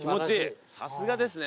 さすがですね